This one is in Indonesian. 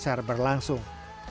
selama konser berlangsung